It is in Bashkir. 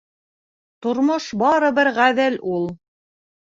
Тормош барыбер ғәҙел ул!